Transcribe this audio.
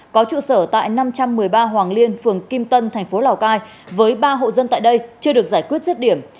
có trụ sở tại năm trăm một mươi ba hoàng liên phường kim tân thành phố lào cai với ba hộ dân tại đây chưa được giải quyết rứt điểm